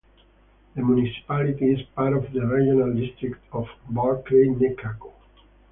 The municipality is part of the Regional District of Bulkley-Nechako.